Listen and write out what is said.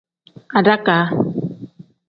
Adakaa.